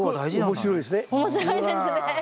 面白いですね。